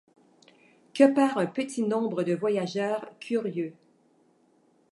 que par un petit nombre de voyageurs curieux.